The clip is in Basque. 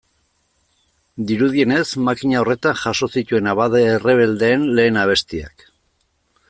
Dirudienez, makina horretan jaso zituen abade errebeldeen lehen abestiak.